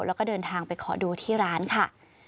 แล้วก็เดินทางไปขอดูที่ร้านค่ะ